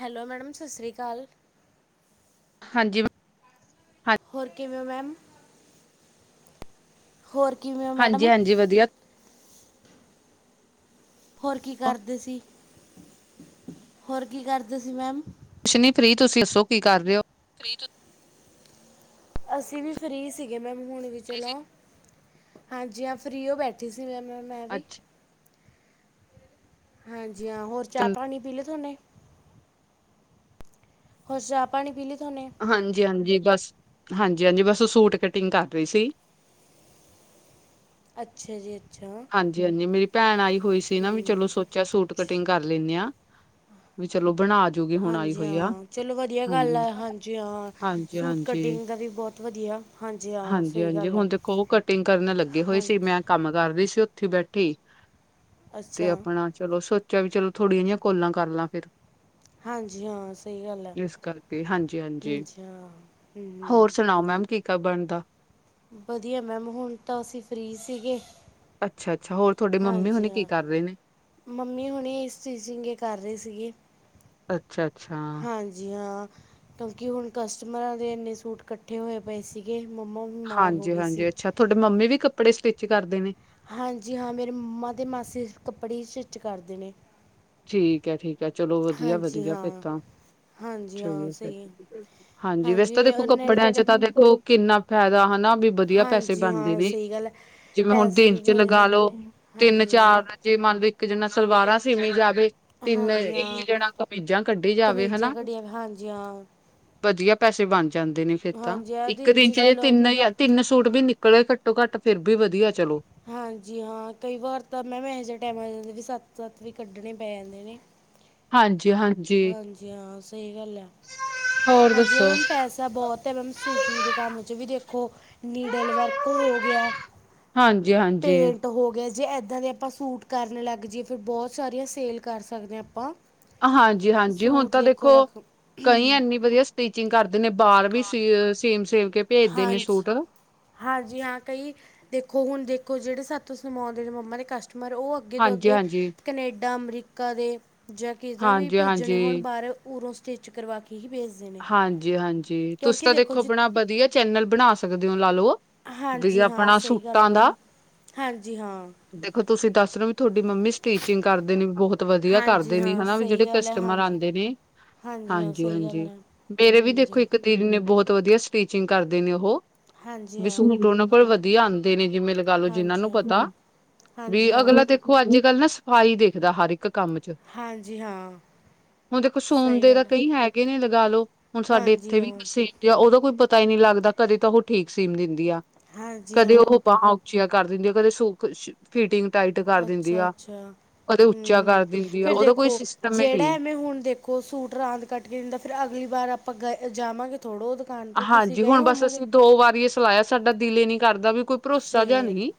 Hello madam, ਸਤਿ ਸ਼੍ਰੀ ਅਕਾਲ। ਹਾਂਜੀ ਮੈ ਹੋਰ ਕਿਵੇਂ ਮੈਮ ਹੋਰ ਕਿਵੇਂ ਹੋ ਹਾਂਜੀ ਮੈਡਮ। ਹਾਂਜੀ ਵਧੀਆ ਹੋਰ ਕੀ ਕਰਦੇ ਸੀ, ਹੋਰ ਕੀ ਕਰਦੇ ਸੀ ਮੈਮ। ਕੁਛ ਨਹੀਂ ਫ੍ਰੀ ਤੁਸੀਂ ਦੱਸੋ ਕੀ ਕਰ ਰਹੇ ਹੋ। ਥ੍ਰੀ [unintelligible] ਅਸੀਂ ਵੀ, ਫ੍ਰੀ ਸੀਗੇ ਮੈਮ। ਹੁਣ ਵੀ ਚਲੋ ਹਾਂਜੀ। ਹਾਂ, ਫ੍ਰੀ ਹੋ ਬੈਠੀ ਸੀ। ਜਿਵੇ ਮੈਮ, ਮੈਂ ਵੀ। ਅੱਛਾ ਹਾਂਜੀ। ਹਾਂ, ਹੋਰ ਚਾਹ- ਪਾਣੀ ਪੀ ਲੀ ਸੀ। ਉਣੇ। ਹੁਸ਼, ਚਾ- ਪਾਣੀ ਪੀ ਲੀ। ਹਾਂਜੀ-ਹਾਂਜੀ, ਬਸ। ਹਾਂਜੀ-ਹਾਂਜੀ। ਬਸ ਉ ਸੂਟ ਕਟਿੰਗ ਕਰ, ਰਹੀ ਸੀ। ਅੱਛਾ ਜੀ। ਅ ਹਾਂਜੀ- ਹਾਂਜੀ। ਮੇਰੀ ਭੈਣ, ਆਈ ਹੋਈ ਸੀ ਨਾ, ਚਲੋ ਹੂੰ ਸੋਚਿਆ, ਸੂਟ ਕਟਿੰਗ ਕਰ ਲੈਣੇ ਆ। ਵੀ ਚਲੋ। ਬਣਾ ਜੂਗੀ, ਹੁਣ, ਆਈ ਹਾਂਜੀ ਹੋਈ ਆ। ਹਾਂ ਚਲੋ ਵਧੀਆ ਗੱਲ ਹਾਂਜੀ, ਹੈ ਹਾਂ ਸੂਟ ਹਾਂਜੀ-ਹਾਂਜੀ। ਕਟਿੰਗ ਦਾ ਵੀ ਬਹੁਤ ਵਧੀਆ ਹਾਂ ਹਾਂਜੀ- ਸਹੀ ਹਾਂਜੀ, ਗੱਲ ਹੈ ਹੁਣ, ਦੇਖੋ ਉਹ, ਕਟਿੰਗ ਕਰਨ ਲੱਗੇ ਹੋਏ ਹਾਂ ਸੀ। ਮੈਂ, ਕੰਮ ਕਰ ਰਈ ਸੀ। ਉੱਥੇ, ਬੈਠੀ ਤੇ, ਅੱਛਾ ਆਪਣਾ ਚਲੋ ਸ ਚਲ- ਚਲੋ ਥੋੜੀਆਂ ਜਿਹੀਆਂ ਕੋਲਾਂ ਕਰ ਲਾਂ, ਫੇਰ। ਹਾਂਜੀ, ਹਾਂ। ਸਹੀ, ਗੱਲ ਹੈ। ਕਰਕੇ ਹਾਂਜੀ ਹਾਂਜੀ ਹੰਜੀ ਹਾਂ, ਹੋਰ ਹੂੰ-ਹੂੰ। [unintelligible] ਕੀ ਕਰ ਬਣਦਾ। ਵਧੀਆ ਮੈਮ। ਹੁਣ ਤਾਂ, ਅਸੀਂ ਫ੍ਰੀ ਸੀਗੇ। ਅੱਛਾ-ਅੱਛਾ। ਹੋਰ ਤੁਹਾਡੇ ਮੰਮੀ ਹਾਂਜੀ ਹੋਣੀ ਕੀ ਹਾਂ ਕਰ ਰਹੇ ਨੇ? ਮੰਮੀ ਹੁਣੀ ਸਟਿਚਿੰਗ ਹੀ, ਕਰ ਰਹੇ ਸੀਗੇ। ਅੱਛਾ-ਅੱਛਾ, ਹਾਂਜੀ, ਹਾਂ। ਕਿਉਂਕਿ, ਹੁਣ, ਕਸਟਮਰਾਂ ਦੇ ਇੰਨੇ ਸੂਟ, ਇਕੱਠੇ ਹੋਏ ਪਏ ਸੀਗੇ। ਮੰਮਾ ਬਿਮਾਰ ਹੋ ਗਏ ਸੀ ਹਾਂਜੀ-ਹਾਂਜੀ, ਅੱਛਾ। ਤੁਹਾਡੇ ਮੰਮੀ ਵੀ, ਕੱਪੜੇ ਸਟਿਚ ਕਰਦੇ ਨੇ। ਹਾਂਜੀ, ਹਾਂ। ਮੇਰੇ ਮੰਮਾ ਤੇ ਮਾਸੀ ਕੱਪੜੇ ਸਟਿਚ ਕਰਦੇ ਨੇ। ਠੀਕ ਹੈ-ਠੀਕ ਹੈ, ਚਲੋ ਵਧੀਆ- ਹਾਂਜੀ ਵਧੀਆ, ਫੇਰ ਹਾਂ ਤਾਂ। ਹਾਂਜੀ ਹਾਂ [unintelligible] ਸਹੀ ਹਾਂਜੀ। ਵੈਸੇ ਤਾਂ ਦੇਖੋ, ਨੇੜੇ ਕੱਪੜਿਆਂ ਚ, ਤੇੜੇ ਤਾਂ ਦੇਖੋ। ਕਿੰਨਾ, ਫਾਇਦਾ ਹਨਾ। ਵੀ, ਵਧੀਆ ਪੈਸੇ ਹਾਂਜੀ ਬਣਦੇ ਹਾਂ ਨੇ। ਸਹੀ ਗੱਲ ਹੈ ਜਿਵੇਂ ਹੁਣ ਪੈਸੇ ਦਿਨ ਵੀ ਚ ਬਣੇ ਲਗਾ ਬਣਦੇ ਲੋੋ ਨੇ ਤਿੰਨ, ਹਾਂਜੀ ਹਾਂ ਚਾਰ ਜੇ ਮੰਨ ਕਿ ਜਿੰਨਾ ਸਲਵਾਰਾਂ ਸੀ। ਦੀਣੀ ਜਾਕੇ। [unintelligible] ਤੇ ਤਿੰਨ, ਹਾਂਜੀ ਹਾਂ ਇੱਕ ਜਣਾ ਕਮੀਜਾਂ ਕੱਢੀ, ਜਾਵੇ ਕਮੀਜ਼ਾਂ ਹਨਾ। ਕਢੀਆਂ ਹਾਂਜੀ ਹਾਂ ਵਧੀਆ, ਪੈਸੇ ਬਣ ਜਾਂਦੇ ਨੇ, ਫੇਰ ਤਾਂ। ਹਾਂਜੀ ਆ ਇੱਕ ਦਿਨ 'ਚ ਚੇ ਚਲੋ ਤਿੰਨ ਹਜਾ, ਤਿੰਨ ਸੂਟ ਵੀ ਨ ਘੱਟੋ, ਘੱਟ ਫਿਰ ਵੀ ਵਧੀਆ। ਚਲੋ ਹਾਂਜੀ, ਹਾਂ। ਕਈ ਵਾਰ ਤਾਂ ਮੈਂ ਵੀ, ਐਸੇ ਟਾਈਮ ਆ ਜਾਂਦੀ ਸੀ, ਤਾ- ਤੱਤ ਵੀ ਕੱਢਣੇ ਪੈ ਜਾਂਦੇ ਨੇ। ਹਾਂਜੀ। ਹਾਂਜੀ ਹਾਂਜੀ, ਹਾਂ। ਸਹੀ ਗੱਲ ਹੈ। ਹੋਰ ਹਾਂਜੀ। ਦੱਸੋ ਇਹ, ਮੈਮ ਪੈਸਾ ਬਹੁਤ ਹੈ। ਮੈਮ ਸਟੀਿਚਿੰਗ ਦੇ ਕੰਮ ਚ ਵੀ ਦੇਖ ਖੋ, ਨੀਡਲ ਵਰਕ ਹੋ ਗਿਆ। ਹਾਂਜੀ- ਹਾਂਜੀ। ਪੇਂਟ ਹੋ ਗਿਆ ਜੇ ਇੱਦਾਂ ਦੇ, ਆਪਾਂ ਸੂਟ ਕਰਨ ਲੱਗ ਜਾਈਏ। ਫੇਰ ਬਹੁਤ ਸਾਰੀਆਂ ਸੇਲ, ਕਰ ਸਕਦੇ ਹਾਂ, ਆਪਾਂ। ਹਾਂਜੀ- ਹਾਂਜੀ, ਹੁਣ ਸੂਟ ਤਾਂ ਦੇਖੋ, ਰੱਖ ਕਈ ਐੰਨੀ ਵਧੀਆ, ਸਟੀਚਿੰਗ ਕਰ ਦੇ ਨੇ ਬਾਹਰ ਵੀ, ਸੇਮ- ਸੇਮ ਭੇਜਦੇ ਨੇ ਹਾਂਜੀ- ਸੂਟ ਹਾਂਜੀ, ਹਾਂ, ਕਈ ਦੇਖੋ ਹੁਣ ੋ ਜਿਹੜੇ, ਸਤਾਉਂ ਸੀਵਾਉਂਦੇ ਸੀ, ਮੰਮਾ ਦੇ ਕਸਟਮਰ ਉਹ ਅੱਗੇ ਤੋਂ ਹਾਂਜੀ ਅੱਗੇ ਹਾਂਜੀ ਕਨੇਡ ਡਾ, ਅਮਰੀਕਾ ਦੇ, ਜਾਂ ਕਿ ਦਾ ਵੀ, ਹਾਂਜੀ ਭੇਜਣੇ ਹੋਣ ਹਾਂਜੀ ਬਾਹਰ ਉਰੋਂ ਸਟਿੱਚ ਕਰਵਾ ਕੇ। ਹੀ ਭੇਜਦੇ ਨੇ ਹਾਂਜੀ- ਹਾਂਜੀ, ਤੁਸੀਂ ਕਿਉਂਕਿ ਤਾਂ ਦੇਖੋ, ਜੀ ਆਪਣਾ ਵਧੀਆ ਚੈਨਲ ਬਣਾ ਸਕਦੇ ਹੋ। ਲਾ ਲਓ ਵੀ ਹਾਂਜੀ, ਹਾਂ। ਆਪਣਾ ਸਹੀ, ਗੱਲ ਹੈ। ਸੂਟਾਂ ਮੈਮ ਦਾ ਹਾਂਜੀ, ਹਾਂ। ਦੇਖੋ ਤੁਸੀਂ, ਦੱਸ ਰ ਹੋ ਵੀ ਤੁਹਾਡੇ ਮੰਮੀ ਸਟੀਚਿੰਗ ਕਰਦੇ ਨੇ, ਬਹੁਤ ਵਧੀਆ ਹਾਂਜੀ ਕਰਦੇ ਨੇ, ਹਾਂ ਹਨਾ ਵੀ, ਸਹੀ ਜਿਹੜੇ ਗੱਲ ਹੈ ਕਸਟਮਰ ਹਾਂਜੀ ਆਉਂਦੇ ਨੇ। ਹਾਂ ਹਾਂਜੀ- ਸਹੀ ਗੱਲ ਹਾਂਜੀ, ਹੈ ਮੇਰੇ ਵੀ ਦੇਖੋ ਹਾਂਜੀ ਇੱਕ ਦੀਦੀ ਨੇ, ਬਹੁਤ ਵਧੀਆ ਸਟੀਚਿੰਗ ਕਰਦੇ ਨੇ ਉਹ। ਹਾਂਜੀ ਵਿ ਹਾਂ ਸੂਟ ਉਹਨਾਂ, ਕੋਲ ਵਧੀਆ ਆਉਂਦੇ ਨੇ ਜਿਵੇਂ ਲਗਾ ਲੋ, ਜਿਹਨਾਂ ਹਾਂਜੀ ਨੂੰ ਹਾਂ ਪਤਾ, ਵੀ ਹਾਂਜੀ ਹਾਂ ਅਗਲਾ ਦੇਖੋ ਅੱਜ ਕੱਲ ਨਾ ਸਫ਼ਾਈ ਦੇਖਦਾ, ਹਰ ਇੱਕ। ਇੱਕ ਕੰਮ ਚ। ਹਾਂਜੀ ਹਾਂ ਹੁਣ ਦੇਖੋ, ਸੋਮ ਸਹੀ ਦੇ ਤਾਂ, ਗੱਲ ਹੈ ਕਈ ਹੈਗੇ ਨੇ, ਲਗਾ ਲੋ ਹੁਣ ਸਾਡੇ ਹਾਂਜੀ ਇੱਥੇ ਵੀ ਹਾਂ ਸੀ ਆ ਉਹਦਾ ਕੋਈ ਪਤਾ ਹੀ ਨਹੀ ਲੱਗਦਾ ਕਦੇ ਤਾਂ ਉਹ ਠੀਕ ਸੀਮ ਦਿੰਦੀ ਆ ਹਾਂਜੀ ਹਾਂ। ਦੀਆਂ ਕਰ ਦਿੰਦੀ ਮੇਰੇ ਸੂਟ ਦੀ ਫਿਟਿੰਗ। ਟਾਈਟ ਕਰ ਦਿੰਦੀ ਆ ਅੱਛਾ-ਅੱਛਾ, ਕਦੇ ਉੱਚਾ ਹੂੰ ਕਰ ਦਿੰਦੀ ਆ ਫੇਰ ਉਹਦਾ ਕੋਈ ਦੇਖੋ, ਸਿਸਟਮ ਹੀ ਨੀ ਜਿਹੜਾ ਐਵੇਂ ਹੁਣ ਦੇਖੋ ਸੂਟ ਰਾਂਦ ਕੱਟ ਕੇ ਦਿੰਦਾ ਫਿਰ ਅਗਲੀ ਵਾਰ ਆਪਾਂ ਗਏ ਜਾਵਾਂਗੇ ਥੋੜ੍ਹਾ ਉਹ ਦੁਕਾਨ 'ਤੇ ਤੁਸੀਂ ਹਾਂਜੀ ਗਏ ਹੁਣ ਬਸ ਹੋਵੋਗੇ ਅਸੀਂ ਦੋ ਵਾਰੀ ਇਹ ਸਲਾਇਆ, ਸਾਡਾ ਦਿਲ ਇਹ ਨਹੀ ਕਰਦਾ ਵੀ ਕੋਈ ਭਰੋਸਾ ਜਾ ਫਿਰ ਨਹੀਂ।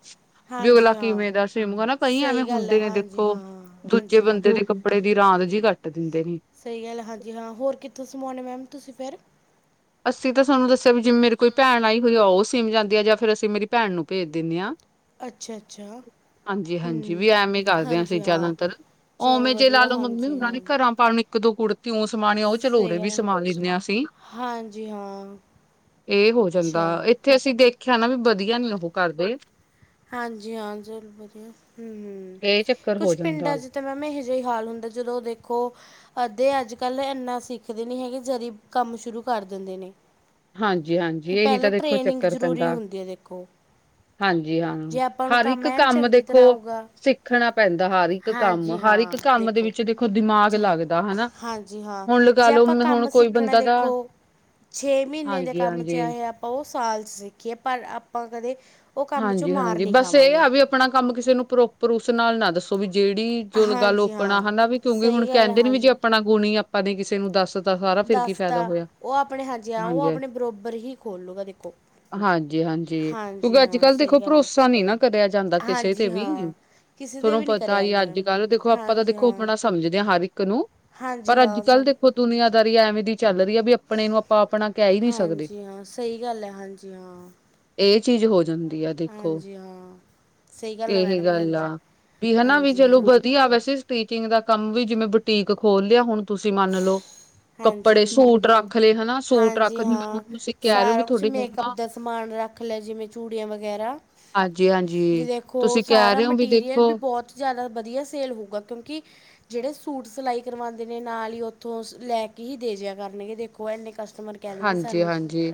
ਵੀ ਅਗਲਾ ਹਾਂਜੀ ਹਾਂ ਕਿਵੇਂ ਦਾ ਸਿ ਨਾ ਕਈ ਐਵੇਂ, ਸਹੀ ਗੱਲ ਹੈ ਹੁੰਦੇ ਨੇ ਹਾਂਜੀ ਦੇਖੋ ਹਾਂ ਦੂਜੇ ਹਾਂਜੀ ਹਾਂ ਬੰਦੇ ਦੇ ਕੱਪੜੇ ਦੀ ਰਾਂਦ ਜੀ ਕੱਟ ਦਿੰਦੇ ਨੇ ਸਹੀ ਗੱਲ ਹਾਂਜੀ ਹਾਂ, ਹੋਰ ਕਿੱਥੋਂ ਸਮਾਉਣੇ ਮੈਮ ਤੁਸੀਂ ਫਿਰ? ਅਸੀਂ ਤਾਂ ਸਹਾਨੂੰ ਦੱਸਿਆ, ਵੀ ਜਿਵੇਂ ਮੇਰੀ ਕੋਈ ਭੈਣ ਆਈ ਹੋਈ ਆਓ ਸੀਮ ਜਾਂਦੀ ਆ, ਜਾਂ ਫਿਰ ਅਸੀਂ ਮੇਰੀ ਭੈਣ ਨੂੰ ਭੇਜ ਦਿੰਦੇ ਹਾਂ। ਅੱਛਾ ਅੱਛਾ ਹਾਂਜੀ-ਹਾਂਜੀ, ਹੂੰ ਵੀ ਐਵੇਂ ਹੀ ਕਰਦੇ ਆਂ ਹਾਂਜੀ ਸੀ ਹਾਂ ਜ਼ਿਆਦਾਤਰ ਚਲੋ ਉਵੇਂ ਜੇ ਲਾ ਵਧੀਆ ਲਓ, ਮੰਮੀ ਹਾਂਜੀ ਉਹਨਾ ਨੇ ਹਾਂ ਘਰਾਂ ਪਾਣੇ ਨ ਇੱਕ ਦੋਂ ਕੁੜਤੀ ਓ ਸਮਾਣੀ ਉਹ ਚਲੋ ਸਹੀ ਉਰੇ ਗੱਲ ਵੀ ਹੈ, ਸਮਾ ਲੈਂਦੇ ਹਾਂ, ਅਸੀਂ। ਹਾਂਜੀ ਹਾਂ ਇਹ ਹੋ ਜਾਂਦਾ, ਅੱਛਾ ਇੱਥੇ ਅਸੀਂ ਦੇਖ ਆਣਾ ਵੀ ਵਧੀਆ, ਨੀ ਉਹ ਕਰਦੇ। ਹਾਂਜੀ ਹਾਂ, ਚਰ ਵਧੀਆ ਹੂੰ-ਹੂੰ ਇਹ ਚੱਕਰ ਹੋ ਕੁਛ ਪਿੰਡਾਂ ਜਾਂਦਾ ਚ ਤੇ ਮੈਂਮ ਐਹੇ। ਜਹੀ ਹਾਲ ਹੁੰਦਾ, ਜਦੋਂ ਦੇਖੋ ਅੱਧੇ ਅੱਜ-ਕੱਲ੍ਹ ਇੰਨਾ ਸਿੱਖਦੇ ਨੀ ਹੈਗੇ ਜਦੀ ਕੰਮ ਸ਼ੁਰੂ ਕਰ ਦਿੰਦੇ ਨੇ, ਹਾਂਜੀ-ਹਾਂਜੀ ਕਿ ਇਹੀ ਪਹਿਲਾਂ ਤਾਂ ਦੇਖੋ ਟ੍ਰੇਨਿੰਗ ਚੱਕਰ ਜ਼ਰੂਰੀ ਪੈਂਦਾ। ਹੁੰਦੀ ਹੈ ਦੇਖੋ ਹਾਂਜੀ ਹਾਂ, ਜੇ ਆਪਾਂ ਨੂੰ ਹਰ ਇੱਕ ਐਨ ਕੰਮ ਚੰਗੀ ਦੇਖੋ। ਤਰ੍ਹਾਂ ਆਊਗਾ ਸਿੱਖਣਾ ਪੈਂਦਾ, ਹਰ ਇੱਕ ਕੰਮ ਹਾਂਜੀ ਹਰ ਹਾਂ ਇੱਕ ਕੰਮ ਦੇ ਵਿੱਚ ਦੇਖੋ, ਦਿਮਾਗ ਚ ਲੱਗਦਾ ਹਨਾ। ਹਾਂਜੀ ਹਾਂ ਹੁਣ ਲਗਾ ਜੇ ਲੋ ਆਪਾਂ ਹੁਣ ਕੰਮ ਕੋਈ ਸਿੱਖਣਾ ਬੰਦਾ ਤਾਂ ਦੇਖੋ ਛੇ ਮਹੀਨੇ ਦੇ ਕੰਮ ਚ ਹਾਂਜੀ-ਹਾਂਜੀ ਆ ਆਪਾਂ ਉਹ ਸਾਲ ਚ ਸਿੱਖੀਏ ਪਰ ਆਪਾਂ ਕਦੇ ਉਹ ਕੰਮ 'ਚੋਂ ਮਾਰ ਹਾਂਜੀ-ਹਾਂਜੀ ਨਹੀਂ ਬਸ ਇਹ ਖਾਵਾਂਗੇ ਆ ਵੀ ਆਪਣਾ ਕੰਮ ਕਿਸੇ ਨੂੰ ਪ੍ਰੋਪਰ ਉਸ ਨਾਲ ਨਾ ਦੱਸੋ ਵੀ ਜਿਹੜੀ ਜੋਲ ਗੱਲ ਹਾਂਜੀ ਆਪਣਾ ਹਾਂ ਹਨਾ, ਵੀ ਕਿਉਂਕਿ ਹੁਣ ਸਹੀ ਗੱਲ ਹੈ ਕਹਿੰਦੇ ਨੇ ਵੀ ਜੇ ਹਾਂਜੀ ਆਪਣਾ ਗੁਣ ਹੀ ਆਪਾਂ ਦੇ ਕਿਸੇ ਨੂੰ ਦੱਸ ਤਾ ਸਾਰਾ ਫਿਰ ਕੀ ਦੱਸਤਾ ਫਾਇਦਾ ਹੋਇਆ ਉਹ ਆਪਣੇ ਹਜੇ ਆ ਉਹ ਹਾਂਜੀ ਆਪਣੇ ਬਰੋਬਰ ਹੀ ਖੋਲੂਗਾ ਦੇਖੋ। ਹਾਂਜੀ-ਹਾਂਜੀ, ਹਾਂਜੀ ਕਿਉਂਕਿ ਹਾਂ ਅੱਜ-ਕੱਲ੍ਹ ਦੇਖੋ ਸਹੀ ਗੱਲ ਹੈ ਭਰੋਸਾ ਨੀ ਨਾ ਕਰਿਆ ਜਾਂਦਾ ਕਿਸੇ ਤੇ ਹਾਂਜੀ ਵੀ। ਹਾਂ ਕਿਸੇ 'ਤੇ ਤੁਹਾਨੂੰ ਵੀ ਨਹੀਂ ਕਰਿਆ ਪਤਾ ਈ ਜਾਂਦਾ ਮੈਮ ਅੱਜ-ਕੱਲ੍ਹ ਦੇਖੋ ਆਪਾਂ ਤਾਂ ਹਾਂਜੀ ਦੇਖੋ, ਹਾਂ ਆਪਣਾ ਸਮਝਦੇ ਹਾਂ ਹਰ ਇੱਕ ਨੂੰ। ਹਾਂਜੀ ਪਰ ਹਾਂ ਸ ਅੱਜ-ਕੱਲ੍ਹ ਦੇਖੋ ਦੁਨੀਆਂਦਾਰੀ ਐਵੇਂ ਦੀ ਚੱਲ ਰਹੀ ਐ, ਵੀ ਆਪਣੇ ਨੂੰ ਆਪਾਂ ਆਪਣਾ ਕਹਿ ਹੀ ਨਹੀਂ ਸਕਦੇ ਹਾਂਜੀ ਹਾਂ ਸਹੀ ਗੱਲ ਐ, ਹਾਂਜੀ ਹਾਂ। ਇਹ ਚੀਜ਼ ਹੋ ਜਾਦੀ। ਹਾਂਜੀ ਹਾਂ। ਸਹੀ ਗੱਲ ਹੈ ਏਹ ਮੈਡਮ ਗੱਲ ਐ, ਹਾਂਜੀ ਵੀ ਹਾਂਜੀ ਚਲੋ ਹਾਂ ਵਧੀਆ ਹਨਾ ਵੈਸੇ। ਟੀਚਿੰਗ ਦਾ ਕੰਮ ਵੀ ਜਿਵੇਂ, ਬੁਟੀਕ ਖੋਲ ਲਿਆ ਹੁਣ ਤੁਸੀਂ ਮੰਨ ਲੌ। ਕੱਪੜੇ ਹਾਂਜੀ ਸੂਟ ਰੱਖ ਲਏ ਹਨਾ ਸੂਟ ਹਾਂਜੀ ਰੱਖ, ਜਿਵੇਂ ਹੁਣ ਹਾਂ ਤੁਸੀਂ ਕਹਿ ਰਹੇ ਹੋ ਵੀ ਸਾਰਾ ਕੁਛ ਤੁਹਾਡੀ ਮੇਕਅਪ ਮੰਮਾ ਦਾ ਸਮਾਨ ਰੱਖ ਲੈ ਜਿਵੇਂ ਚੂੜੀਆਂ ਵਗੈਰਾ। ਹਾਂਜੀ ਵੀ ਹਾਂਜੀ ਵੇਖੋ ਤੁਸੀਂ ਕਹਿ ਸਾਰਾ ਰਹੇ ਹੋ ਮਟੀਰੀਅਲ ਵੀ ਦੇਖੋ ਬਹੁਤ ਜਿਆਦਾ ਵਧੀਆ ਸੇਲ ਹੋਊਗਾ, ਕਿਉਂਕਿ ਜਿਹੜੇ ਸੁ ਸੂਟ ਸਿਲਾਈ ਕਰਵਾਦੇ ਨੇ ਨਾਲ ਹੀ ਉੱਥੋਂ ਲੈਕੇ ਹੀ ਦੇ ਜਿਆ ਕਰਨਗੇ ਦੇਖੋ, ਇੰਨੇ ਕਸ ਹਾਂਜੀ-ਹਾਂਜੀ,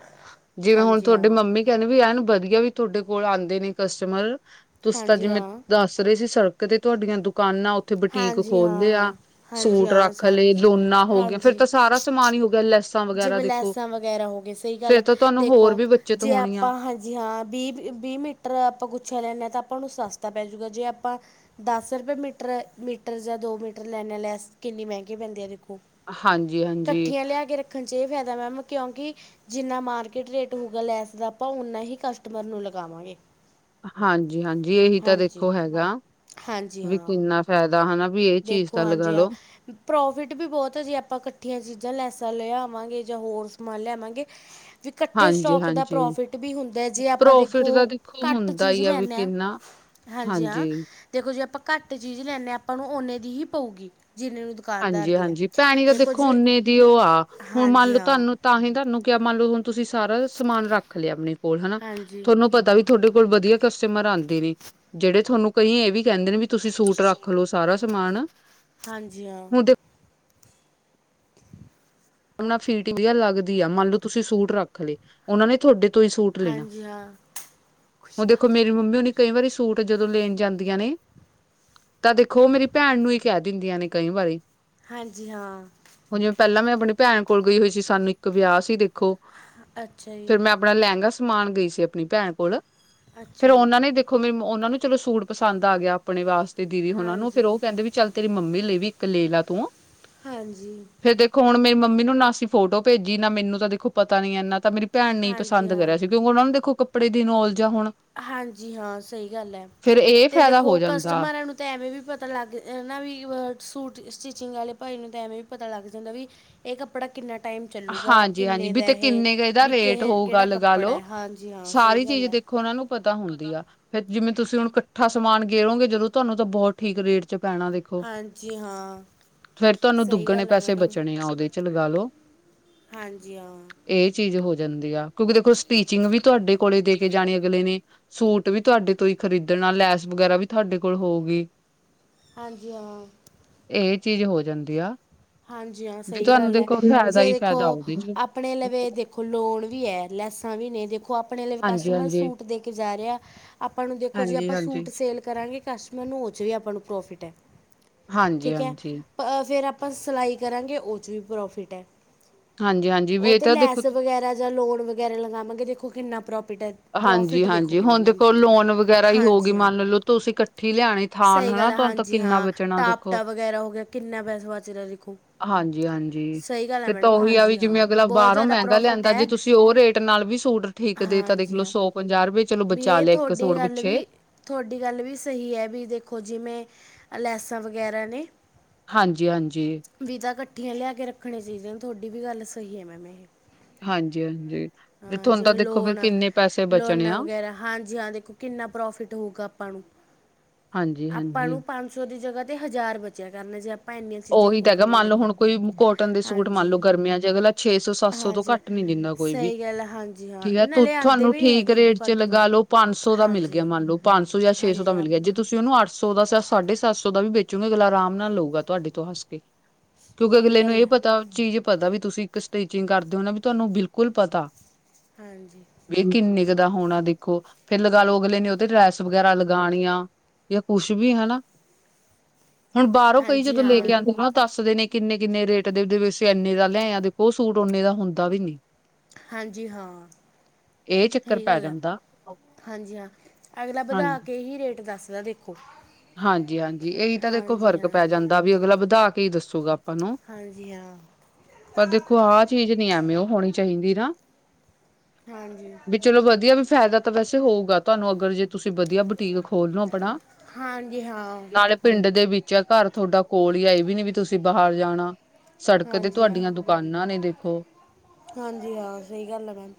ਜਿਵੇਂ ਹੁਣ ਹਾਂਜੀ ਤੁਹਾਡੀ ਹਾਂ ਮੰਮੀ ਕਹਿੰਦੇ ਵੀ ਐਨ ਵਧੀਆ ਵੀ ਤੁਹਾਡੇ ਕੋਲ ਆਦੇ ਨੇ ਕਸਟਮਰ ਤੁਸੀ ਤਾਂ ਹਾਂਜੀ ਜਿਵੇਂ ਹਾਂ ਦੱਸ ਰਹੇ ਸੀ ਸ ਕਦੇ ਤੁਹਾਡੀਆਂ ਦੁਕਾਨਾਂ ਔ ਉੱਥੇ ਬੁਟੀਕ ਹਾਂਜੀ ਹਾਂ ਖੋਲਦੇ ਆ ਹਾਂ ਹਾਂਜੀ ਸੂਟ ਹਾਂ ਰੱਖ ਸਾਰਾ ਲਏ ਕੁਛ ਲੋੋਨਾ ਹੋ ਗਿਆ, ਫਿਰ ਹਾਂਜੀ ਤਾਂ ਸਾਰਾ ਸਮਾਨ ਹੀ ਹੋ ਗਿਆ ਲੈਸ ਤਾਂ ਵਗੈਰਾ ਦੇਖੋ। ਵੇਰਾ ਹੋ ਗਏ ਸਹੀ ਗੱਲ ਫੇਰ ਅ ਤਾਂ ਤੁਹਾਨੂੰ ਹੋਰ ਦੇਖੋ, ਵੀ ਬੱਚਤ ਜੇ ਹੋਣੀ ਆ ਆਪਾਂ ਹਾਂਜੀ ਹਾਂ ਬੀਹ ਬੀਹ ਮੀਟਰ ਆਪਾਂ ਗੂ ਚਲ ਏਨਾ ਤਾ ਆਪਾ ਨੂੰ ਸੱਸ ਤਾ ਪੈ ਜੂਗਾ ਜੇ ਆਪਾਂ ਦਸ ਰੁਪਏ ਮੀਟਰ ਮੀਟਰ ਜਾਂ ਦੋ ਮੀਟਰ ਲੈਣੇ, ਆ ਲੈਸ ਕਿੰਨੀ ਮਹਿੰਗੀ ਪੈਂਦੀ ਅ ਦੇ ਹਾਂਜੀ ਹਾਂਜੀ ਕੱਠੀਆ ਲਿਆ ਕੇ ਰ ਫੇਦਾ ਮੈਮ ਕਿਉਂਕਿ ਜਿੰਨਾ ਮਾਰਕੀਟ ਰੇਟ ਹੋਊਗਾ, ਲੈਸ ਦਾ ਆਪਾਂ ਓਹਨਾ ਹੀ ਕਸਟਮਰ ਨੂੰ ਲਗਾਵਾਂਗੇ। ਹਾਂਜੀ-ਹਾਂਜੀ ਏਹੀ ਤਾਂ ਹਾਂਜੀ ਦੇਖੋ ਹੈਗਾ, ਹਾਂਜੀ ਵੀ ਹਾਂ ਕਿੰਨਾ ਫੇ ਦੇਖੋ ਹਾਂਜੀ ਆ ਪ੍ਰੋਫਿਟ ਵੀ ਬਹੁਤ ਆ ਜੇ ਆਪਾਂ ਕੱਠੀਆਂ ਚੀਜ਼ਾਂ ਲੈਸਾ ਲੈ ਆ ਵਾਂਗੇ ਜਾਂ ਹੋਰ ਸਮਾਨ ਲੇਆਵਾਂਗੇ। ਵੀ ਕੱਠੇ ਹਾਂਜੀ ਸਟੋਕ ਦਾ ਹਾਂਜੀ ਪ੍ਰੋਫਿਟ ਵੀ ਹੁੰਦਾ ਏ ਜੇ ਆਪਾਂ ਪ੍ਰੋਫਿਟ ਦੇਖੋ ਦਾ ਦੇਖੋ ਘੱਟ ਹੁੰਦਾ ਚੀਜ਼ ਹੀ ਵੀ ਲੈਨੇ ਆ। ਕਿੰਨਾ ਹਾਂਜੀ ਹਾਂ, ਦੇਖੋ ਜੇ ਆਪਾਂ ਘੱਟ ਚੀਜ਼ ਲੈਨੇ ਆ ਆਪਾਂ ਨੂੰ ਓਨੇ ਦੀ ਹੀ ਪਊਗੀ। ਜਿੰਨੇ ਨੂੰ ਦੁਕਾਨਦਾਰ ਦੀ ਹੈ ਹਾਂਜੀ-ਹਾਂਜੀ ਪੈਣੀ ਤਾਂ ਦੇਖੋ ਓਨੇ ਦੀ ਊ ਆ। ਹੁਨ ਮੰਨ ਹਾਂਜੀ ਲੋ ਹਾਂ ਤੁਹਾਨੂੰ ਤਾਂ ਹੀ ਤੁਹਾਨੂੰ ਕਿਆ ਮੰਨ ਲੋ ਹੁਨ। ਤੁਸੀਂ ਸਾਰਾ ਸਮਾਨ ਰੱਖ ਲਿਆ ਆਪਨੇ ਕੋਲ ਹਨਾ, ਹਾਂਜੀ ਤੁਹਾਨੂੰ ਪਤਾ ਵੀ ਤੁਹਾਡੇ ਕੋਲ ਵਧੀਆ ਕਸਟਮਰ ਆਂਦੇ ਨੇ, ਜਿਹੜੇ ਤੁਹਾਨੂੰ ਕਈ ਇਹ ਵੀ ਕੇਂਦੇ ਨੇ ਵੀ ਤੁਸੀਂ ਸੂਟ ਰੱਖ ਲੋ ਸਾਰਾ। ਤਮਾਂਣ। ਹਾਂਜੀ ਹਾਂ। ਉਨਾਲ ਫਿਟਿੰਗ ਜਾ ਲੱਗਦੀ ਆ ਮੰਨ ਲੋ ਤੁਸੀਂ ਸੂਟ ਰੱਖ ਲਏ ਉਹਨਾ ਨੇ ਤੁਹਾਡੇ ਤੂੰਈ ਸੂਟ ਲੈਣਾ, ਹਾਂਜੀ ਹਾਂ ਹੁਨ ਦੇਖੋ ਖੁਸ਼ਖਬਰੀ ਮੇਰੀ ਮੰਮੀ ਹੋਨੀ ਕਈ ਵਰੀ ਸੂਟ ਜਦੋਂ ਲੇਨ ਜਾਂਦੀਆਂ ਨੇ ਤਾਂ ਦੇਖੋ ਮੇਰੀ ਭੈਣ ਨੂੰ ਹੀ ਕੇਹ ਦਿੰਦੀਆਂ ਨੇ ਕਈ ਵਾਰੀ। ਹਾਂਜੀ ਹਾਂ। ਭੈਨ ਕੋਲ ਗਈ ਹੋਈ ਸੀ ਸਾਨੂੰ ਇੱਕ ਵਿਆਹ ਸੀ ਦੇਖੋ। ਅੱਛਾ ਜੀ। ਤਮਾਨ ਗਈ ਸੀ ਆਪਨੀ ਭੈਨ ਕੋਲ, ਫੇਰ ਅੱਛਾ ਉਹਨਾਂ ਨੇ ਦੇਖੋ ਮੇਰੀ ਮ ਉਹਨਾਂ ਨੂੰ ਚਲੋ ਸੂਟ ਪਸੰਦ ਆ ਗਿਆ ਆਪਣੇ ਵਾਸਤੇ ਦੀਦੀ ਹੁਨਾਂ ਨੂੰ, ਫੇਰ ਹਾਂਜੀ ਉਹ ਕੇਂਦੇ ਵੀ ਚੱਲ ਤੇਰੀ ਮੰਮੀ ਲਈ ਵੀ ਵੀ ਇੱਕ ਲੇ ਲਾ ਤੂ। ਹਾਂਜੀ। ਮੰਮੀ ਨੂੰ ਨਾ ਅਸੀਂ ਫੋਟੋ ਭੇਜੀ ਨਾ ਮੈਨੂੰ ਤਾਂ ਦੇਖੋ ਪਤਾ ਨੀ ਏਨਾ ਤਾਂ ਮੇਰੀ ਪੈਨ ਨੇ ਈ ਹਾਂਜੀ ਪਸੰਦ ਕਰਿਆ ਹਾਂ ਸੀ ਕਿਉਂਕਿ ਉਹਨਾਂ ਨੂੰ ਦੇਖੋ ਕੱਪੜੇ ਦੀ ਨੌਲ ਹਾਂਜੀ ਹਾਂ ਸਹੀ ਗੱਲ ਐ। ਫੇਰ ਇਹ ਤੇ ਫਾਇਦਾ ਦੇਖੋ ਹੋ ਜਾਂਦਾ ਕਸਟਮਰਾਂ ਨੂੰ ਤੇ ਐਵੇਂ ਵੀ ਪਤਾ ਲੱਗ ਅ ਨਾ ਵੀ ਅ ਸੂਟ ਸਟੀ ਚਿੰਗ ਆਲੇ ਭਾਈ ਨੂੰ ਤਾਂ ਐਵੇਂ ਵੀ ਪਤਾ ਲੱਗ ਜਾਂਦਾ ਵੀ ਇਹ ਕੱਪੜਾ ਕਿੰਨਾ ਟਾਈਮ ਚੱਲੂਗਾ। ਹਾਂਜੀ ਹਾਂਜੀ ਕਿੰਨੇ ਵੀ ਦਾ ਤੇ ਇਹ, ਕਿੰਨੇ ਕੁ ਇਹਦਾ ਬਿ ਰੇਟ ਕੇਹ ਹੋਊਗਾ ਕਿਹੜਾ ਲਗਾ ਕੱਪੜਾ ਐ, ਲੋ ਹਾਂਜੀ ਹਾਂ, ਸਹੀ ਸਾਰੀ ਗੱਲ ਚੀਜ਼ ਐ। ਦੇਖੋ ਉਹਨਾਂ ਨੂੰ ਪਤਾ ਹੁੰਦੀ ਆ ਫੇਰ ਜਿਵੇਂ ਤੁਸੀਂ ਹੁਨ ਇਕੱਠਾ ਸਮਾਨ ਗੇਰੋਗੇ ਜਦੋਂ ਤੁਹਾਨੂੰ ਤਾਂ ਬੋਹਤ ਠੀਕ ਰੇਟ ਚ ਪੈਣਾ ਵੇਖੋ, ਹਾਂਜੀ ਹਾਂ ਫੇਰ ਤੁਹਾਨੂੰ ਸਹੀ ਦੁੱਗਣੇ ਗੱਲ ਹੈ ਪੈਸੇ ਮੈਡਮ ਬਚਣੇ ਆ ਉਹਦੇ ਚ ਲਗਾ ਲੋ। ਹਾਂਜੀ ਹਾਂ। ਇਹ ਚੀਜ਼ ਹੋ ਜਾਂਦੀ ਆ। ਕਿਉਂਕਿ ਦੇਖੋ ਸਟੀਚਿੰਗ ਵੀ ਤੁਹਾਡੇ ਕੋਲੇ ਦੇ ਕੇ ਜਾਣੀ ਅਗਲੇ ਨੇ। ਸੂਟ ਵੀ ਤੁਹਾਡੇ ਤੋਂ ਈ ਖਰੀਦਨਾਂ, ਲੈਸ ਵਗੈਰਾ ਵੀ ਤੁਹਾਡੇ ਕੋਲ ਹੋਊਗੀ। ਹਾਂਜੀ ਹਾਂ। ਇਹ ਚੀਜ਼ ਹੋ ਜਾਂਦੀ ਆ। ਹਾਂਜੀ ਹਾਂ, ਵੀ ਸਹੀ ਤੁਹਾਨੂੰ ਗੱਲ ਐ। ਦੇਖੋ ਫਾਇਦਾ ਜੇ ਹੀ ਦੇਖੋ ਫਾਇਦਾ ਉਹਦੇ ਚ ਆਪਣੇ ਲਵੇ ਦੇਖੋ ਲੋਨ ਵੀ ਐ, ਲੈਸਾਂ ਵੀ ਨੇ, ਦੇਖੋ ਆਪ ਆਪਣੇ ਲਈ ਕਸਟਮਰ ਹਾਂਜੀ-ਹਾਂਜੀ। ਸੂਟ ਦੇ ਕੇ ਜਾ ਰਿਹਾ। ਆਪਾਂ ਨੂੰ ਦੇਖੋ ਜੇ ਆਪਾਂ ਸੂਟ ਹਾਂਜੀ-ਹਾਂਜੀ। ਸੇਲ ਕਰਾਂਗੇ ਕਸਟਮਰ ਨੂੰ ਓ ਚ ਵੀ ਆਪਾਂ ਨੂੰ ਪ੍ਰੋਫਿਟ ਹੈ। ਠੀਕ ਹੈ, ਹਾਂਜੀ-ਹਾਂਜੀ, ਫੇਰ ਆਪ ਆਪਾ ਸਿਲਾਈ ਕਰਾਂਗੇ ਉਹ ਚ ਵੀ ਪ੍ਰੋਫਿਟ ਐ। ਹਾਂਜੀ-ਹਾਂਜੀ ਵੀ ਉਹ ਇਹ ਤੇ ਤਾਂ ਦੇਖੋ ਲੈਸ ਵਗੈਰਾ ਜਾਂ ਲੋਨ ਵਗੈਰਾ ਲਗਾਵਾਂਗੇ ਦੇਖੋ ਕਿੰਨਾ ਪ੍ਰੋਪ ਹਾਂਜੀ-ਹਾਂਜੀ ਹੁਨ ਦੇਖੋ ਲੋਨ ਵਗੈਰਾ ਈ ਹੋ ਗਈ। ਹਾਂਜੀ ਮੰਨ ਲਓ ਤੁਸੀਂ ਇਕੱਠੀ ਲਿਆਣੀ ਥਾਨ ਈ ਹਨਾ ਗੱਲ ਹੈ। ਤੁਹਾਨੂੰ ਤਾਂ ਹਾਂਜੀ ਕਿੰਨਾ ਹਾਂ, ਬਚਣਾ ਦੇਖੋ। ਟਾਪਟਾ ਵਗੈਰਾ ਹੋ ਗਿਆ ਕਿੰਨਾ ਪੈਸਾ ਵਾਚ ਰੇਹੈ ਦੇਖੋ। ਹਾਂਜੀ-ਹਾਂਜੀ, ਸਹੀ ਗੱਲ ਹੈ ਫਿਰ ਤਾਂ ਮੈਡਮ ਉਹੀ ਆ ਹਾਂਜੀ ਵੀ ਹਾਂ ਜਿਵੇਂ ਅਗਲਾ ਬਹੁਤ ਬਾਹਰੋਂ ਜ਼ਿਆਦਾ ਮਹਿੰਗਾ ਪ੍ਰੋਫਿਟ ਲਿਆਂਦਾ ਜੇ ਹੈ ਤੁਸੀਂ ਉਹ ਰੇਟ ਨਾਲ ਵੀ ਸੂਟ ਠੀਕਦੇ ਤਾਂ ਦੇਖਲੋ ਸੌ ਪੰਜਾਹ ਰੁਪਏ ਚਲੋ ਬੀ ਬਚਾ ਏਹ ਲਿਆ ਇੱਕ ਥੋਡੀ ਸੂਟ ਗੱਲ ਪਿੱਛੇ ਵੀ, ਥੋਡੀ ਗੱਲ ਵੀ ਸਹੀ ਐ ਬੀ ਦੇਖੋ ਜਿਵੇਂ ਅਲ ਲੈਸਾਂ ਵਗੈਰਾ ਨੇ। ਹਾਂਜੀ-ਹਾਂਜੀ, ਵੀ ਤਾਂ ਇਕੱਠੀਆਂ ਲਿਆ ਕੇ ਰੱਖਨੀ ਚਾਹੀਦੀਆਂ, ਤੁਹਾਡੀ ਵੀ ਗੱਲ ਸ ਸਹੀ ਐ ਮੈਮ ਏਹੇ। ਹਾਂਜੀ-ਹਾਂਜੀ, ਤੁਹਾਨੂੰ ਤਾਂ ਦੇਖੋ ਫੇਰ ਲੋਨ ਕਿੰਨੇ ਪੈਸ ਲੋਨਾਂ ਵਗੈਰਾ। ਹਾਂਜੀ ਹਾਂ, ਦੇਖੋ ਕਿੰਨਾ ਪ੍ਰੋਫਿਟ ਹੋਊਗਾ ਆਪਾਂ ਨੂੰ। ਆਪਾਂ ਹਾਂਜੀ-ਹਾਂਜੀ ਨੂੰ ਪੰਜ ਸੌ ਦੀ ਜਗ੍ਹਾ ਤੇ ਹਜ਼ਾਰ ਬਚਿਆ ਕਰਨਾ ਜੇ ਇੰਨੀਆਂ ਚੀਜ਼ਾਂ ਉਹੀ ਤਾਂ ਖੋਲ੍ਹ ਹੈਗਾ ਲਈਆਂ ਮੰਨ ਲਓ ਦੇਖੋ ਹੁਣ ਕੋਈ ਕੋਟਨ ਦੇ ਸੂਟ ਮੰਨ ਹਾਂਜੀ ਲਓ ਗਰਮੀਆਂ ਚ ਅਗਲਾ ਛੇ ਸੌ ਸੱਤ ਸੌ ਤੋਂ ਹਾਂਜੀ ਘੱਟ ਨੀ ਦਿੰਦਾ ਕੋਈ ਸਹੀ ਗੱਲ ਹੈ ਹਾਂਜੀ ਹਾਂ ਠੀਕ ਹੈ ਨਾਲੇ ਆਉਂਦੇ ਤੁਹਾਨੂੰ ਵੀ ਨਹੀਂ ਠੀਕ ਹੈਗੇ ਇਦੂ ਰੇਟ ਚ ਘੱਟ ਤਾਂ ਲਗਾ ਲੋ ਪੰਜ ਸੌ ਦਾ ਮਿਲ ਹਾਂਜੀ ਗਿਆ ਮੰਨ ਲਓ ਪੰਜ ਸੌ ਜੇ ਛੇ ਸੌ ਹਾਂਜੀ ਦਾ ਮਿਲ ਗਿਆ ਆਪਾਂ ਜੇ ਤੁ ਸੀਂ ਉਹਨੂੰ ਅਠ ਸੌ ਦਾ ਸਾਢੇ ਸੱਤ ਸੌ ਦਾ ਵੀ ਵੇਚੂਗੇ ਅਗਲਾ ਆਰਾਮ ਨਾਲ ਲਉਂਗਾ ਤੁਹਾਡੇ ਤੋਂ ਹੱਸ ਕੇ ਕਿਉਂਕਿ ਸਹੀ ਅਗਲੇ ਨੂੰ ਗੱਲ ਇਹ ਹੈ ਪਤਾ ਚੀਜ਼ ਪਤਾ ਵੀ ਤੁਸੀਂ ਇੱਕ ਸਟਿਚਿੰਗ ਕਰਦੇ ਹੋ ਨਾ ਵੀ ਤੁਹਾਨੂੰ ਬਿਲਕੁਲ ਪਤਾ ਹਾਂਜੀ ਵੀ ਇਹ ਕਿੰਨੇ ਦਾ ਹੋਣਾ ਦੇਖੋ ਫੇਰ ਲਗਾ ਲਓ ਅਗਲੇ ਨੇ ਉਹ ਤੇ ਲੈਸ ਵਗੈਰਾ ਲਗਾਣੀਆ। ਜਾਂ ਕੁਛ ਵੀ ਹਨਾ ਹੁਣ ਬਾਹਰੋਂ ਕਈ ਹਾਂਜੀ ਜਦੋਂ ਲੈ ਹਾਂ ਕੇ ਆਉਂਦੇ ਹਨ ਉਹ ਦੱਸਦੇ ਨੇ ਕਿੰਨੇ ਕਿੰਨੇ ਰੇਟ ਦੇ ਇੰਨੇ ਦਾ ਲੈ ਆ ਦੇਖੋ ਸੂਟ ਓਨੇ ਦਾ ਹੁੰਦਾ ਵੀ ਨੀ। ਹਾਂਜੀ ਹਾਂ ਇਹ ਚੱਕਰ ਸਹੀ ਪੈ ਗੱਲ ਹੈ ਜਾਂਦਾ ਹਾਂਜੀ ਹਾਂ ਅਗਲਾ ਵਧਾ ਹਾਂਜੀ ਕੇ ਹੀ ਰੇਟ ਦੱਸ ਹਾਂਜੀ ਹਾਂਜੀ ਇਹੀ ਤਾਂ ਦੇਖੋ ਹਾਂਜੀ ਫ਼ਰਕ ਹਾਂ ਪੈ ਜਾਂਦਾ ਵੀ ਅਗਲਾ ਵਧਾ ਕੇ ਹੀ ਦੱਸੂਗਾ ਆਪਾਂ ਨੂੰ ਹਾਂਜੀ ਹਾਂ ਪਰ ਦੇਖੋ ਆਹ ਚੀਜ਼ ਨੀ ਐਵੇਂ ਉਹ ਹੋਣੀ ਚਾਹੀਦੀ ਨਾ ਹਾਂਜੀ ਹਾਂਜੀ ਹਾਂ ਵੀ ਚਲੋ ਵਧੀਆ ਵੀ ਫਾਇਦਾ ਤਾਂ ਵੈਸੇ ਹੋਊਗਾ ਤੁਹਾਨੂੰ ਅਗਰ ਜੇ ਤੁਸੀਂ ਵਧੀਆ ਬੁਟੀਕ ਖੋਲ ਲੋ ਆਪਣਾ ਹਾਂਜੀ ਹਾਂ ਜ ਘਰ ਤੁਹਾਡਾ ਕੋਲ ਹੀ ਇਹ ਵੀ ਨੀ ਤੁਸੀਂ ਬਾਹਰ ਜਾਣਾ ਸੜਕ ਤੇ ਹਾਂ ਤੁਹਾਡੀਆਂ ਦੁਕਾਨਾਂ ਨੇ ਦੇਖੋ ਹਾਂਜੀ ਹਾਂ ਸਹੀ ਗੱਲ ਆ ਭੈਣ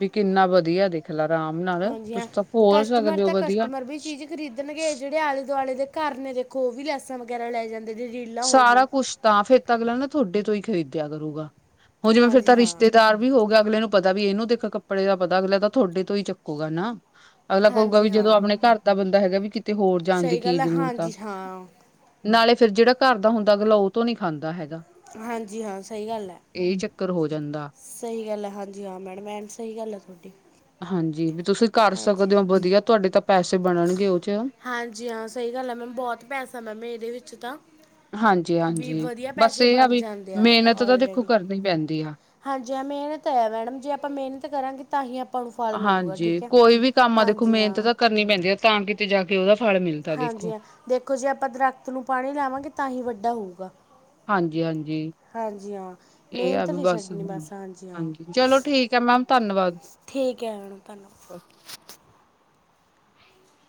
ਵੀ ਕਿੰਨਾ ਵਧੀਆ ਦੇਖ ਚ ਆਰਾਮ ਨਾਲ ਹਾਂਜੀ ਤੁ ਹਾਂ ਤਾਂ ਭੋਲ ਕਸਟਮਰ ਸਕਦੇ ਹੋ ਤਾਂ ਵਧੀਆ ਕਸਟਮਰ ਵੀ ਚੀਜ਼ ਖਰੀਦਣਗੇ ਜਿਹੜੇ ਆਲੇ ਦੁਆਲੇ ਦੇ ਘਰ ਨੇ ਦੇਖੋ ਉਹ ਵੀ ਲੈਸਾਂ ਵਗੈਰਾ ਲੈ ਜਾਂਦੇ। ਨੇ ਰੀਲਾਂ ਹੋ ਗਈਆਂ ਸਾਰਾ ਕੁਛ ਤਾਂ ਫਿਰ ਤਾਂ ਅਗਲਾ ਨਾ ਤੁਹਾਡੇ ਤੋਂ ਹੀ ਖ਼ਰੀਦਿਆ ਕਰੂੰ ਗਾ। ਹੋਜੂ ਫੇਰ ਹਾਂਜੀ ਤਾਂ ਹਾਂ ਰਿਸ਼ਤੇਦਾਰ ਵੀ ਹੋ ਗਿਆ। ਅਗਲੇ ਨੂੰ ਪਤਾ ਵੀ ਇਹਨੂੰ ਦੇਖ ਕੱਪੜੇ ਦਾ ਪਤਾ ਅਗਲੇ ਤਾਂ ਤੁਹਾਡੇ ਤੋਂ ਹੀ ਚੱਕੂਗਾ ਨਾ ਅਗਲਾ ਕਹੂਗਾ ਹਾਂਜੀ ਵੀ ਹਾਂ ਜਦੋਂ ਆਪਣੇ ਕਾਰ ਦਾ ਬੰਦਾ ਹੈਗਾ ਵੀ ਕੀ ਤੇ ਹੋਰ ਜਾਣ ਦੀ ਸਹੀ ਕੀ ਗੱਲ ਹੈ ਜਰੂਰਤ ਆ। ਹਾਂਜੀ ਹਾਂ ਨਾਲੇ ਫੇਰ ਜਿਹੜਾ ਕਰ ਦਾ ਹੁੰਦਾ ਅਗਲਾ ਉਤੋਂ ਨੀ ਖਾਂਦਾ ਹੈ। ਹਾਂਜੀ, ਹਾਂ ਸਹੀ ਗੱਲ ਹੈ। ਇਹ ਚੱਕਰ ਹੋ ਜਾਂਦਾ ਸਹੀ ਗੱਲ ਹੈ ਹਾਂਜੀ ਹਾਂ ਮੈਡਮ ਐ ਸਹੀ ਗੱਲ ਹੈ ਤੁਹਾਡੀ। ਹਾਂਜੀ, ਵੀ ਤੁਸੀਂ ਕਰ ਹਾਂਜੀ ਸਕਦੇ ਹੋ ਵਧੀਆ ਤੁਹਾਡੇ ਤਾਂ ਪੈਸੇ ਬਣਨਗੇ ਉਹ ਚ ਹਾਂਜੀ, ਹਾਂ ਸਹੀ ਗੱਲ ਆ ਮੈਮ ਬਹੁਤ ਪੈਸਾ ਮੈਮ ਇਹਦੇ ਵਿੱਚ ਤਾਂ ਵੀ ਹਾਂਜੀ-ਹਾਂਜੀ, ਵਧੀਆ ਬਸ ਪੈਸੇ ਇਹ ਆ ਬਣ ਵੀ ਜਾਂਦੇ ਆ ਮਿਹਨਤ ਤਾਂ ਦੇਖੋ ਆਲਰੇਡੀ ਕਰਨੀ ਪੈਂਦੀ ਆ। ਹਾਂਜੀ, ਹਾਂ ਮਿਹਨਤ ਤਾ ਹੈ ਮੈਡਮ ਜੇ ਆਪਾਂ ਮਿਹਨਤ ਕਰਾਂਗੇ ਤਾਂ ਹੀ ਅਪ ਹਾਂਜੀ, ਕੋਈ ਵੀ ਕੰਮ ਆ ਦੇਖੋ ਹਾਂਜੀ ਮਿਹਨਤ ਹਾਂ ਤਾਂ ਕਰਨੀ ਪੈਂਦੀ ਆ ਤਾਂ ਕਿਤੇ ਜਾ ਕੇ ਉਹਦਾ ਫਲ ਮਿਲਦਾ ਹਾਂਜੀ ਦੇਖੋ। ਹਾਂ ਦੇਖੋ ਜੇ ਆਪਾਂ ਦਰਖਤ ਨੂੰ ਪਾਣੀ ਲਾਵਾਂਗੇ ਤਾਂ ਹੀ ਵੱਡਾ ਹੋਊਗਾ। ਹਾਂਜੀ-ਹਾਂਜੀ। ਹਾਂਜੀ ਹਾਂ ਇਹ ਆ ਮਿਹਨਤ ਵੀ ਨਹੀਂ ਬਸ ਛੱਡਣੀ ਹਾਂ ਹਾਂਜੀ ਚਲੋ ਠੀਕ ਹੈ ਮੈਮ ਧੰਨਵਾਦ। ਠੀਕ ਹੈ ਮੈਮ ਧੰਨਵਾਦ। [inaudible]